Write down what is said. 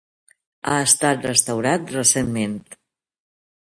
Ha estat restaurat recentment.